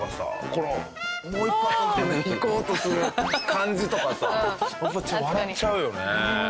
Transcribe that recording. このもう一発いこうとする感じとかさやっぱちょっと笑っちゃうよね。